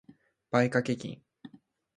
買掛金